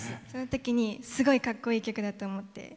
その時にすごいかっこいい曲だと思って。